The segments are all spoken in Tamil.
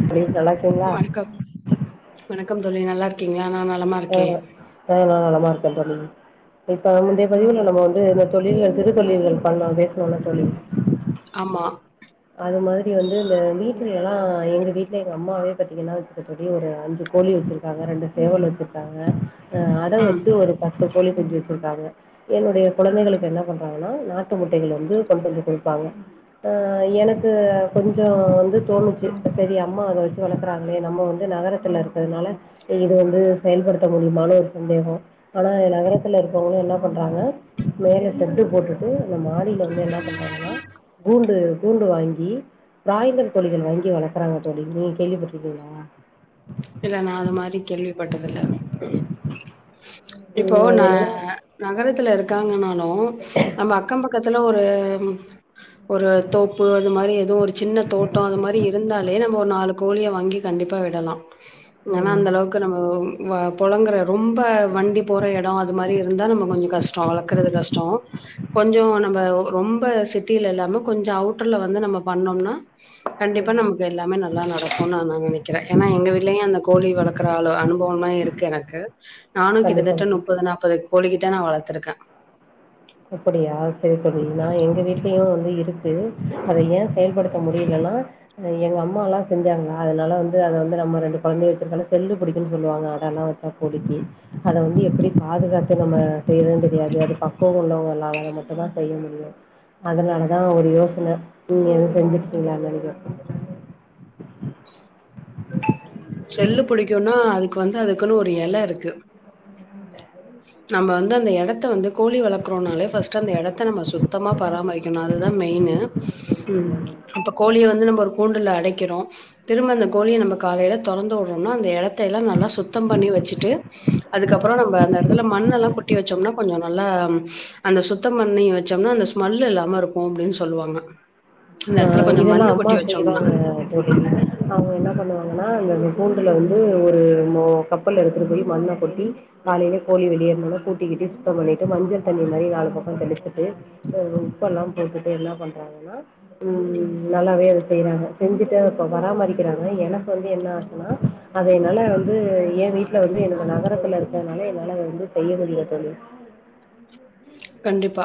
எப்புடி [unintelligible] நடக்குங்கிளா வணக்கம் வணக்கம் தோழி நல்லா இருக்கீங்களா நா நலமா ஆ இருக்கே நாங்களு நல்லமா இரு [unintelligible] இப்ப இன்றய பதிவுல நம்ம வந்து தொழில் இருக்க [unintelligible] பண்ணதே [unintelligible] தோழி ஆமா அது மாரி வந்து இந்த வீட்டல எல்லா எங்க வீட்டுல எங்க அம்மாவே பத்தீங்கன்னா வச்சுக்கோ தோழி ஒரு அஞ்சு கோழி வச்சிருக்காங்க ரெண்டு சேவல் வச்சிருக்காங்க ஆ அடை ம் வெச்சு ஒரு ப கோழி குஞ்சு வச்சிருக்காங்க என்னுடைய கொழந்தைகளுக்கு என்ன பண்றாங்கன்னா நாட்டு முட்டைகள் வந்து கொண்டு வந்து கொடுப்பாங்க அ அ எனக்கு கொஞ்சோ வந்து தோணுச்சு சேரி அம்மா அத வச்சு வளர்க்குறாங்களே நம்ம வந்து நகரத்தில் இருக்கிறதுனால இது வந்து செயல்படுத்த முடியுமானு ஒரு சந்தேகம் ஆனா நகரத்தில் இருக்கவங்களு என்ன பண்ணுறாங்க மேலே செட்டு போட்டுட்டு இந்த மாடியில வந்து என்ன பண்றாங்கன்னா கூண்டு கூண்டு வாங்கி பிராய்லர் கோழிகள் வாங்கி வளர்க்குறாங்க தோழி நீங்க கேள்விப்பட்டிருக்கீங்களா இல்ல நா அது மாரி கேள்விப்பட்டதுல்ல இப்போ ம் அது நா என்னன்னா நகரத்துல இருக் காங்கணா நம்ம அக்கம் பக்கத்ல ஒரு ஒரு தோப்பு அது மாதிரி எதவு ஒரு சின்ன தோட்ட அது மாதிரி இருந்தாலே நம்ம ஒரு நாலு கோழிய வாங்கி கண்டிப்பா விடலா ஏனா ம் அந்த அளவுக்கு நம்ம இவ பொழங்குற ரொம்ப ரொம்ப வண்டி போற இடோ அது மாதிரி இருந்தா நம்ம கொஞ்சோ கஷ்டோ வளக்குறது கஷ்டோ கொஞ்சோ நம்ம ரொம்ப சிட்டியில இல்லாம கொஞ்சோ அவுட்டர்ல வந்து நம்ம பண்ணம்னா கண்டிப்பா நமக்கு எல்லாமே நல்லா நடக்கும்னு நா நா நெனக்குறே ஏன்னா எங்க வீட்லயு அந்த கோழி வளக் க்கற ஆளு அனுபவம்லா இருக்கு எனக்கு நானு கண்டிப்பா கிட்டத்தட்ட கண்டிப்பா. முப்பது நாப்பது கோழி கிட்ட நா வளத்துருக்கே அப்படியா சரி சரி நா எங்க வீட்லயு வந்து இருக்கு அத ஏ செயல்படுத்த முடியலன்னா எங்க அம்மாலா செஞ்சாங்ளா அதனால வந்து அத வந்து நம்ம ரெண்டு கொழந்த இருக்கதால செல்லு பிடிக்குனு சொல்லுவாங்க அதால்லா வச்சா கோழிக்கு அத வந்து எப்டி பாதுகாத்து நம்ம செய்யுறோன்னு தெரியாது அ உள்ளவங்கால அத மட்டு தா செய்ய முடியு அதனாலதா ஒரு யோசன நீங்க எதுவு செஞ்சுட்டுக்கீங்ளா ந செல்லு புடிக்குன்னா அதுக்கு வந்து அதுக்குன்னு ஒரு எல இருக்கு நம்ம வந்து அந்த எடத்த வந்து கோழி வளக்கறோனாலே ஃபஸ்ட்டு அந்த எடத்த நம்ம சுத்தமா பராமரிக்கணு அதுதா மெயினு ம். இப்ப கோழிய வந்து நம்ம கூண்டுல அடைக்குறோ திரும்ப அந்த கோழிய நம்ம காலேல தொறந்து விடுறோம்னா அந்த எடத்த எல்லா நல்லா சுத்தம் பண்ணி வச்சிட்டு அதுக்கப்புறோ நம்ம அந்த எடத்துல மண்ண எல்லா கொட்டி வச்சோம்னா கொஞ்சோ நல்லா அந்த சுத்தம் பண்ணி வச்சோம்னா அந்த ஸ்மெல் இல்லாம இருக்கு அப்டின்னு சொல்லுவாங்க அந்த ஆ எடத்துல கொஞ்சம் இதெல்லா மண்ணு அம்மா கொட்டி வச்சோம்னா. செய்வாங்க தோழி அவுங்க என்ன பண்ணுவாங்கன்னா அந்த கூண்டுல வந்து ஒரு கப்புல்ல எடுத்துகிட்டு போய் மண்ண கொட்டி காலேலே கோழி வெளியேறுன கூட்டிக்கீட்டி சுத்தம் பண்ணிட்டு மஞ்சள் தண்ணி மாதிரி நாலு பக்கோ தெளிச்சுட்டு உப்பெல்லா போட்டுட்டு என்ன பண்றாங்கன்னா உம் நல்லாவே அத செய்றாங்க செஞ்சுட்டு இப்ப பராமரிக்குறாங்க எனக்கு வந்து என்னா ஆகுன்னா அத என்னால வந்து எ வீட்ல வந்து எனக்கு நகரத்துல இருக்கதுனால என்னால வந்து செய்ய முடியல தோழி கண்டிப்பா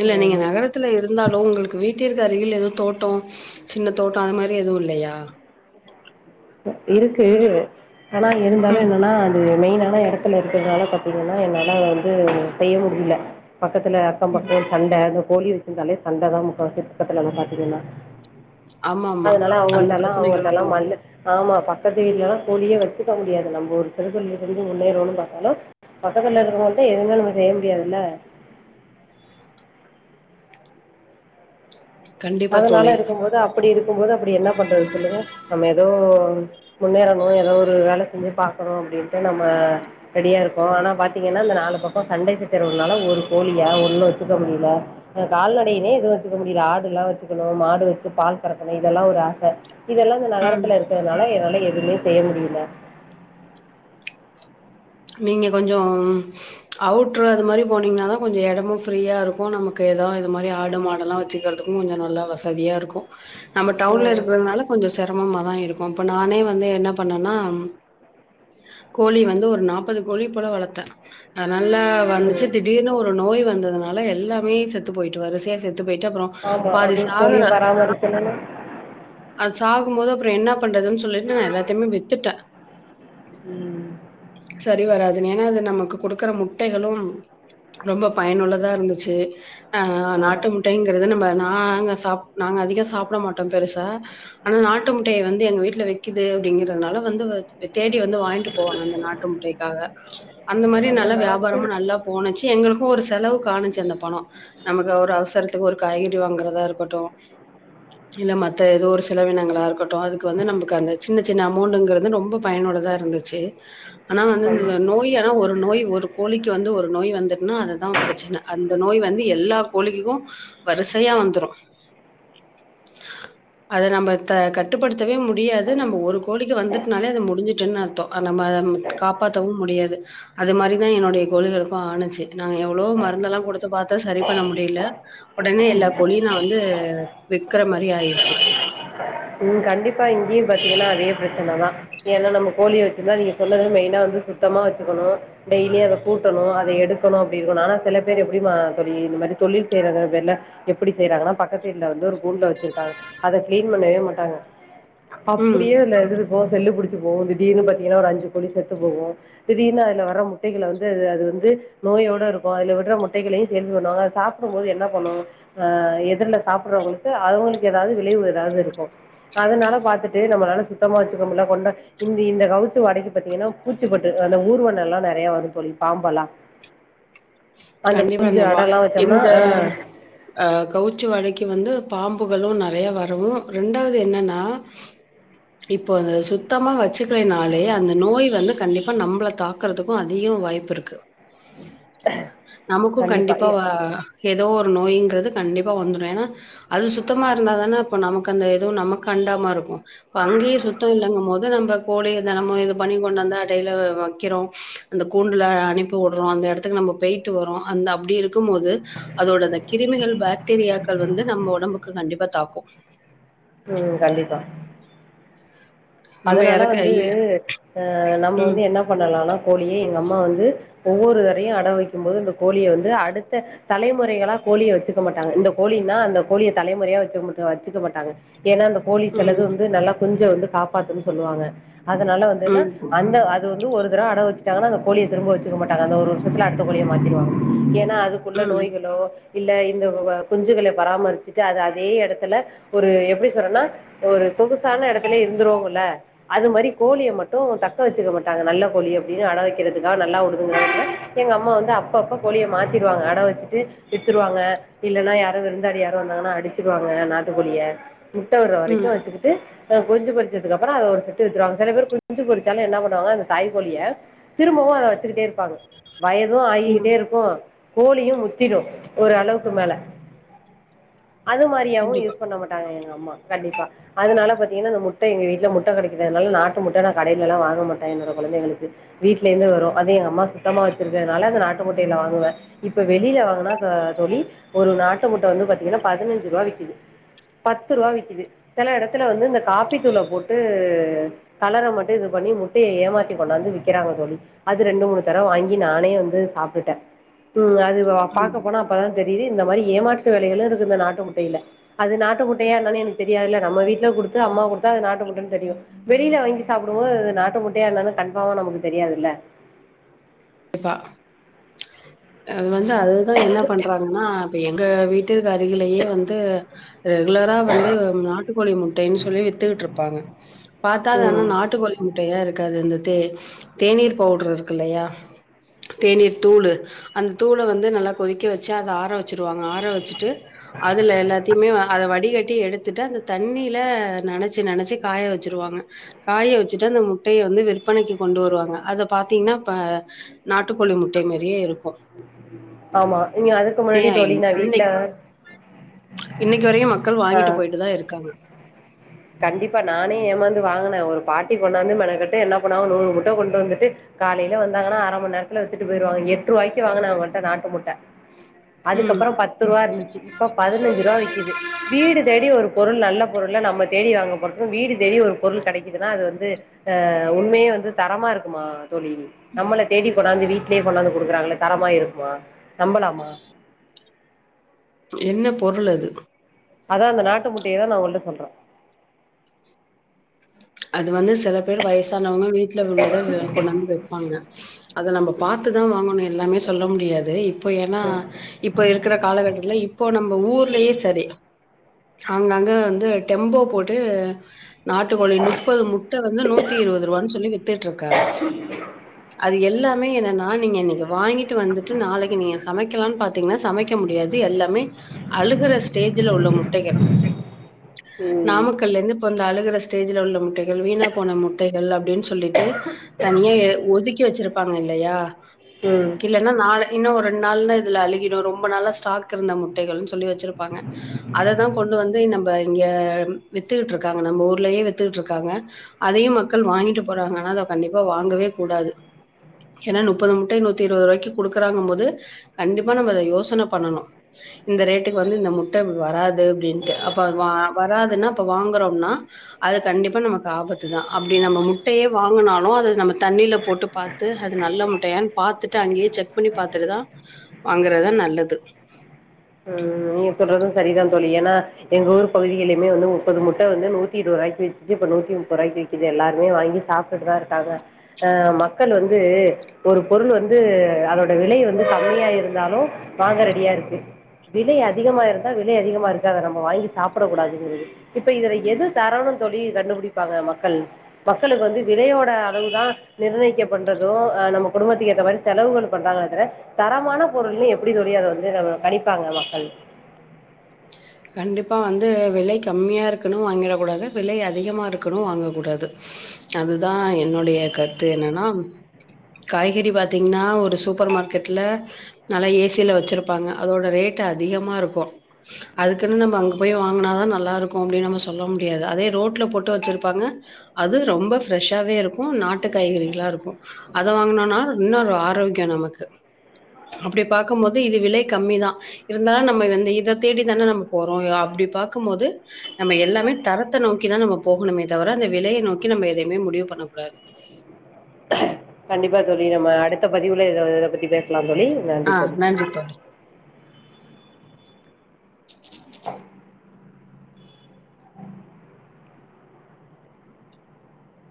இல்ல நீங்க நகரத்துல இருந்தாலு ஓங்களுக்கு வீட்ட இரு அருகில் ஏதவு தோட்டோ சின்ன தோட்டோ அது மாதிரி எதுவு இல்லையா இருக்கு ஆனா இருந்தாலு ம். என்னன்னா அது மெயினான எடத்துல இருக்கதுனால பாத்தீங்கன்னா என்னால வந்து செய்ய முடியல பக்கத்துல அக்கம் ம். பக்கம் சண்ட அது கோழி வச்சிருந்தாலே சண்டதா முக்கவாசி பக்கத்துல ந பாத்தீங்கன்னா ஆமா ஆமா அதனால அந்த அவங்கள்ட்டல்லா பிரச்சனைகளு அவங்கள்ட்டல்லா மல்லு ஆமா பக்கத்து வீட்டலலா கோழியே வச்சுக்க முடியாது நம்ம கெடுத்தல்ல இருந்து முன்னேறுவோன்னு பாத்தாலு பக்கத்ல இருக்கவுங்கிட்ட எதுவுமே நம்ம செய்ய முடியாதுல்ல கண்டிப்பா அதனால தோழி. இருக்கும்போது அப்டி இருக்கும் போது அப்டி என்ன பண்றது சொல்லுங்க நம்ம ஏதோ முன்னேறணு ஏதோ ஒரு வேல செஞ்சு பாக்கணு அப்டின்னுட்டு நம்ம ரெடியா இருக்கோ ஆனா பாத்தீங்கன்னா அந்த நாலு பக்கோ சண்ட சச்சரவுனால ஒரு கோழியா ஒன்னு வச்சுக்க முடியல கால்நடையனே எதுவு வச்சுக்க முடியல ஆடு எல்லா க்கணு மாடு வச்சு பால் கறக்கணு இதெல்லா ஒரு ஆச இதெல்லா இந்த ம். நகரத்துல இருக்கிறதுனால என்னால்லா எதுவுமே செய்ய முடியல நீங்க கொஞ்சம் அவுட்ரு அது மாரி போனீங்கன்னாதா கொஞ்ச எடமு ஃப்ரீயா இருக்கு நமக்கு எதோ இது மாரி ஆடு மாடெலா வச்சுக்கிறதுக்கு கொஞ்சொ நல்லா வசதியா இருக்கு நம்ம டவுன்ல ம் இருக்கறதுனால கொஞ்ச செரமமாதா இரு க்கு அப்ப நானே வந்து என்ன பண்ணேன்னா ம் கோழி வந்து ஒரு நா ப்பது கோழி போல வளத்தே ஆ நல்லா வந்துச்சு ம் திடீர்னு ஒரு நோய் வந்ததுனா ல எல்லாமே செத்து போயிட்டு வரிசையா செத் து போயிட்டு அப்புறோ ஆமா பாதி அது சாகற கோழிய பராமரிக்கணும்னா அது சாகும்போது அப்புறோ என்னா பண்றதுன்னு சொல்லிட்டு நா எல்லாத்தையுமே வித்துட்டே ம் சரி வராதுன்னு ஏன்னா அது நமக்கு குடுக்குற முட்டைகளும் ரொம்ப பயனுள்ளதா இருந்துச்சு ஆ ஆமா நாட்டு முட்டைங்கறது நம்ம நாங்க சாப் நாங்க அதிகோ சாப்ட மாட்டோ பெருசா ஆனா நாட்டு முட்டைய வந்து எங்க வீட்ல வைக்குது அப்டிங்கறதுனால வந்து அ தேடி வந்து வாங்கிட்டு போவாங்க அந்த நா ட்டு முட்டைக்காக அந்த மாரி நல்லா வியாபாரமு நல்லா போனுச்சு எங்களுக்கு ஒரு செலவுக்கு ஆனுச்சு அந்த பணோ நமக்கு ஒரு அவசரத் துக்கு ஒரு காய்கறி வாங்கறதா இருக்கட்டு இல்ல மத்த ஏதோ ஒரு செலவினங்களா இருக்கட்டு அதுக்கு வந்து நம்பக்கு அந்த சின்ன சின்ன அமௌண்டுங்கறது ரொம்ப பயனுள்ளதா இருந்துச்சு ஆனா வந்து இந்த நோய் ஆனா ஒரு நோய் ஒரு கோழிக்கு வந்து ஒரு நோய் வந்துட் ன்னா அதுதா பிரச்சன அந்த நோய் வந்து எல்லா கோழிக்கு வரிசையா வந்துரு அத நம்ம க கட்டுப்படுத் தவே முடியாது நம்ப ஒரு கோழிக்கு வந்துட்னாலே அது முடிஞ்சுட்டுன்னு அர் த்தோ அது நம்ம ம் முடியாது அது மாரிதா என்னுடைய கோழிகளுக்கு ஆனுச்சு நாங்க எவ்ளோ மருந்தெல்லா குடுத்து பாத்தோ சரி பண்ண முடியல உடனே எல்லா கோழியு நா வந்து விக்கிற மாரி ஆயிடுச்சு ம் கண்டிப்பா இங்கயு பாத்தீங்கன்னா அதே பிரச்சனதா ஏன்னா நம்ம கோழி வச்சிருந்தா நீங்க சொன்னது மெயினா வந்து சுத்தமா வச்சுக்கணு டெய்லி அத கூட்டணு அத எடுக்கணு அப்டி இருக்கணு ஆனா சில பேர் எப்டி மா தோழி இந்த மாரி தொழில் செய்றேங்கற பேர்ல எப்பிடி செய்யறாங்கன்னா பக்கத்து வீட்ல வந்து ஒரு கூண்டுல வச்சிருக்காங்க அத கிளீன் பண்ணவே மாட் டாங்க ம் அப்பிடியே அந்த இது இருக்கு செல்லு பிடிச்சி போகு திடீர்னு பாத்தீங்கன்னா ஒரு அஞ்சு கோழி செத்து போகு திடீர்னு அதில வர்ற முட்டைகள வந்து அது அது வந்து நோயோட இருக்கு அதுல விட்ற முட்டைகளையு சேல்ஸ் பண்ணுவாங்க அத சாப்படும் போது என்ன பண்ணு ஆ எதுர்ல சாப்படறவங்களுக்கு அவங்களுக்கு எதாவது விளைவு எதாவது இருக்கு அதனால பாத்துட்டு நம்மளால சுத்தமா வச்சுக்க முடில கொண்ட இந்தி இந்த கவுச்சு வாடைக்கி பாத்தீங்கன்னா பூச்சி பொட்டு அந்த ஊர்வன எல்லா நெறைய வரு தோழி பாம்பெல்லா கண்டிப்பா இந்த வா இந்த ஆ ஆ கவுச்சு வாடைக்கு வந்து பாம்புகளு நெறைய வரு ரெண்டாவது என்னன்னா இப்போ அது சுத்தமா வச்சுக்கலைனாலே அந்த நோய் வந்து கண்டிப்பா நம்பள தாக்குறதுக்கு அதிகோ வாய்ப்பிருக்கு நமக்கு கண்டிப்பா வ எ தோ ஒரு நோய்ங்கிறது கண்டிப்பா வந்துடு ஏன்னா அது சுத்தமா இருந்தாதான அப்ப நமக்கு அந்த எதுவு நமக்கு அண்டாம இருக்கு இப்ப அங்கயே சுத்தோ இல்லங்கும் போது நம்ப கோழிய தெனமு இது பண்ணி கொண்டு வந்த அடைல வ வக்கிறோ அந்த கூண்டுல அனுப்பி விடுறோ அந்த எடத்துக்கு நம்ப போயி ட்டு வரோ அந்த அப்டி இருக்கும் போது அதோட அந்த கிருமிகள் பாக்டீரியாக்கள் வந்து நம்ம ஒடம்புக்கு கண்டிப்பா தாக்கு ம் கண்டிப்பா நம்ம அதனால எறக்க வந்து அ நம்ம வந்து ம் என்ன பண்ணலான்னா கோழியே எங்க அம்மா வந்து ஒவ்வொரு தரையு அடவு வைக்கு போது இந்த கோழிய வந்து அடுத்த தலைமுறைகளா கோழிய வச்சிக்க மாட்டாங்க இந்த கோழின்னா அந்த கோழிய தலைமுறையா வச்ச முட்ட வச்சிக்க மாட்டாங்க ஏன்னா அந்த கோழி செலது ம் வந்து வந்து நல்லா குஞ் ச வந்து காப் பாத்துன்னு சொல்லுவாங்க அதனால வந்துன்னா ம் அந்த அது து ஒரு தடவ அடவு வச்சிடாங்க அந்த கோழிய திரும்ப வச்சிக்க மாட்டாங்க அந்த ஒரு வருஷத்தில அடுத்த கோழிய மாத்திடுவாங்க ன்னா அதுக்குள்ள ம் நோய்களோ இல்ல இந்த வ குஞ்சுகள பராமரிச்சிட்டு அத அதே எடத்துல ஒரு எப்பிடி சொன்னனா ஒரு சொகுசான எடத்லே இருந்துருவங்க இல்ல அது மாரி கோழிய மட்டு தக் க்கவச்சிக மாட்டாங்க நல்ல கோழி அப்பிடின் அட வக்கிறதுகா நல்லா உடுதுங்கன்னா எங்க அம்மா வந்து அப்ப அப்ப கோழிய மாத்திருவாங்க அட வச்சுட்டு வித்துருவாங்க இல்லனா யாரு விருந்தாளி யாரு வந்தாங்னா அடிச்சிருவாங்க நாட்டுக்கோழிய முட்டவுற ம் வரைக்கு ம் வச்சிகிட்டு ஆ குஞ்சி பறிக் த்துக் அப்புறோ ஒரு தட்டு வித்துருவாங்க சில பேர் குஞ்சி பொரிசாலே என்ன பண்ணுவாங்க அந்த தாய்கோழிய திரும்பவு அத வச்சிக்கிட்டே இருப்பாங்க வயது ம் ஆகியிட்டே இருக்கு கோழியு முத்திரு ஒரு அளவுக்கு மேல அது மாரியாவு கண்டிப்பா யூஸ் பண்ணமாட்டாங்க எங்க அம்மா கண்டிப்பா அதனால பத் ஏனா அந் முட் ட்ட எங்க வீட்ல முட்ட கடைகுது அதுனால நாட்டு முட்ட நா கடையிலல்லா வாங்கமாட்டே என்னோட கொழந்தங்களுக்கு வீட்லதே வரு அது எங்க அம்மா சுத்தமா வச்சிர்க்கனால அந்த நாட்டு முட்டையில வாங்குவே இப்ப வெளியில வாங்னா கா தோழி ஒரு நாட்டு முட்ட வந்து பாத்தீங்னா பதினஞ்சிரூவா விக்கிது பத்துரூவா விக்கிது செல எடத்துல வந்து இந்த காப்பி த்தூள போட்டு கலர மட்டு இது பண்ணி முட்டய ஏமாத்தி கொண்டாந்து விக்கிறாங்க தோழி அது ரெண்டு மூணு தடவ வாங்கி நானே வந்து சாப்டுடே ம் அ துவ ம் பாக்க போனா அப்பதா தெரியிது இந்த மாரி ஏமாற்று வேலைகளு இருக்கு இந்த நாட்டு முட்டயில அது நாட்டு முட்டயா என்னனு எனக்கு தெரியா இல்ல நம்ம வீட்ல குடுத்து அம்மா கு த்தா இத நாட்டு முட்டனு தெரியு வெளில வாங்கி சாப்புடு போது அது நாட்டு முட்டயா என்னனு கஃன்பாமா நமக்கு தெரியாதுல்ல சப்பா அது வந்து அதுதா என்ன பண்றாங்கன்னா இப்ப எங்க வீட் ட்டுகு அருகிலேயே வந்து ரெகுலரா வந்து நாட்டுக்கோழி முட்டைன்னு சொல்லி வித்துக்கிட்ருப்பாங்க பாத்தா அது ஆனா ம் நாட்டுக்கோழி முட் ட்டையா இருக்காது இந்த தே தேநீர் பவுட்ர் இருக்கு இல்லையா தேநீர் தூள் அந்த தூள வந்து நல்லா கொதிக்க வச்சி அத ஆற வச்சிருவாங்க ஆற வச்சிட்டு அதுல எல்லாத்தியுமே அத வடிகட் ட்டி எடுத்துட்டு அந்த தண்ணில நெனச்சி நெனச்சி காய வச்சிருவாங்க காய வச்சிட்டு அந்த முட்டய வந்து விற்பனைக்கு கொண்டு வருவாங்க அத பாத்தீங்னா இப்ப நாட்டுக்கோழி முட்டை மேரியே இருக்கு ஆமா நீங்க அதுக்கு முன்னாடி தோழி [unintelligible] நா வீட்ல இன்னக் இன்னகி வரயு மக்கள் ஆ வாங்கிட்டு போயிட்டுதா இருக்காங்க கண்டிப்பா நானே ஏமாந்து வாங்ன ஒரு பாட்டி கொண்டாந்து மெனக்கட்டு என்ன பண்ணாங்க நூறு முட்ட கொண்டு வந்துட்டு காலையில வந்தாங்னா அர மணி நேரத்ல வித்துட்டுபோய்டுவாங்க எட் ரூவாக்கு வாங்ன அவங்கிட்ட நாட்டு முட்ட ம் அதுக்கப்புறோ பத்து ரூவா இருந்துச்சி இப்ப பதினஞ்சு ரூவா விக்கிது வீடு தேடி ஒரு பொருள் நல்ல பொருல நம்ம தேடி வாங்க போறது வீடு தேடி ஒரு பொருள் கிடைக்குதுனா அது வந்து அ உண்யே வந்து தரமா இருக்குமா தோழி நம்மள தேடி கொண்டது வீட்லே கொண்டாந்து குடுக்குறாங்கள தரமா இருக்மா நம்பலாமா என்ன பொருள் அது அதா அந்த நாட்டு முட்டய நா உங்கள்ட சொல்றே அது வந்து சில பேர் வயசானவங்க வீட்ல உள்ளத கொண்டாந்து வைப்பாங்க அத நம்ப பாத்துதா வாங்கணு ல்லாமே சொல்ல முடியாது இப் இப்ப ஏனா இப்ப இருக்ற காலகட்டத்துல இப்போ நம்ம ஊர்லயே சேரி அங்கங்க வந்து டெம்போ போட்டு நாட் ட் கோழி முப்பது முட்ட வந்து நூத்தி இருபது ரூபான்னு சொல்லி வித்துட்டு இருக்காங்க அது எல்லா மே என்ன நா நீங்க இன்னைக்கு வாங்கிட்டு வந்துட்டு நாளைக்கு நீங்க சமைக்கலான் பாத் ன்னா சமைக்க முடியாது எல்லாமே அழுகற ஸ்டேஜ்ல உள்ள முட்டைகள் ம். ம். நாமக்கல்ல இருந்து பொந்த அழுகற ஸ்டேஜ்ல உள்ள முட்டை கள் வீணா போன முட்டைகள் அப்படின்னு சொல்லிட்டு தனியா எ ஒதுக்கி வச்சிருப் வைப்பாங்க இல்லையா ம். இல்லனா நாளை இன்னு ஒரு ரெண்டு நாள் இதுல அழகிடும் ரொம்ப நாளா ஸ்டாக் இருந்த முட்டைகள்னு சொல்லி வச்சிரு ப்பாங்க அத தா கொண்டு வந்து நம் நம்ப இங்க வித்துக்கிட்டு இருக்காங்க நம்ம ஊர் ட்லையு வித்துட்டு இருக்காங்க அதையும் மக்கள் வாங்கிட்டு போறாங்க ஆனா அத கண்டிப்பா வாங்கவே கூடாது ஏனா முப்பது முட்டை நூத்தி இருவது ரூபாய்க்கு கொடுக்கிறாங்க போது கண்டிப்பா நம்ம அத யோசன பண்ணனு இந்த ரேட்டுக்கு வந்து இந்த முட்டை வராது அப்படின்டு அப்போது வா வராதுன்னா அப்ப வாங்குறோம்னா அது கண்டிப்பா நமக்கு ஆபத்துதா அப்படி நம்ம முட்டையே வாங்கினாலு அத நம்ம தண்ணியில போட்டு பார்த்து அது நல்ல முட்டையான்னு பாத்துட்டு அங்கேயே செக் பண்ணி பாத்துட்டுதா வாங்குறதா நல்லது ம் நீங்க சொல்றது சேரிதா தோழி ஏன்னா எங்க ஊர் பகுதியிலுமே வந்து முப்பது முட்டை வந்து நூத்தி இருபது ரூவாக்கு வித்துசு இப்ப நூத்தி முப்பது ரூவாக்கு விக்கிது எல்லாருமே வாங்கி சாப்பிட்டுதா இருக்காங்க ஆ மக்கள் வந்து ஒரு பொருள் வந்து அதோட விலை வந்து கம்மையா இருந்தாலு வாங்க ரெடியா இருக்கு விலை அ அதிகமா இருந்தா விலை அதிகமா இருக்க நம்ம வாங்கி சாப்பிடக்க கூடாதுங்கிறது இப்ப இதுல எது தரனு தோழி கண்டுபிடிப்பாங்க மக்கள் மக்களுக்கு வந்து விலையோட அளவுதா நிர்ணயிக்க பண்றதும் அ நம்ம குடும்பத்துக்கு ஏற்ற மாரி செலவுகள் பண்றாங்க தவற தரமான பொருள் எப்படி தோழி அத வந்து [unintelligible] கணிப்பாங்க மக்கள் கண்டிப்பா வந்து விலை கம்மியா இருக்கணு வாங்கிடக் கூடாது விலை அதிகமா இருக்கணு வாங்க கூடாது அதுதா என்னுடைய கருத்து என்னன்னா காய்கறி பாத்தீங்கன்னா ஒரு சூப்பர் மார்க்கெட்ல நல்லா ஏசியில வச்சிருப்பாங்க அதோட ரேட்டு அதிகமா இருக்கு அதுக்குன்னு நம்ம அங்க போய் வாங்கினாதா நல்லா இருக்கு அப்படின்னு நம்ம சொல்ல முடியாது அதே ரோட்ல போட்டு வச்சிருப்பாங்க அது ரொம்ப ஃப்ரெஷ்ஷாவே இருக்கு நாட்டு காய்கறிகளா இருக்கு அத வாங்கினோம்னா இன்னொரு ஆரோக்கிய நமக்கு அப்படி பாக்கும்போது இது விலை கம்மி தா இருந்தாலு நம்ம இந்த இத தேடி தானே நம்ம போறோ அப்படி பாார்க்கபோது நம்ம எல்லாமே தரத்த நோக்கிதா நம்ம போகணுமே தவிர அந்த விலையை நோக்கி நம்ம எதையுமே முடிவு பண்ணக்கூடாது கண்டிப்பா தோழி நம்ம அடுத்த பதிவுல எத இத பத்தி பேசலா ஆ நன்றி தோழி [inaudible] ஆஹ